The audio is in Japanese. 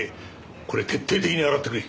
これ徹底的に洗ってくれ。